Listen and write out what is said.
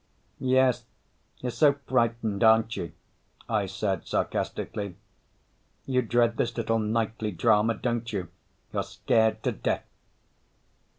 "Yes, you're so frightened, aren't you?" I said sarcastically. "You dread this little nightly drama, don't you? You're scared to death."